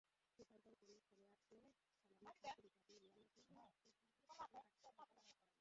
নিষিদ্ধ কোনো খেলোয়াড়কে খেলানোর শাস্তি হিসেবে রিয়ালকে টুর্নামেন্ট থেকে বহিষ্কার করা হয়।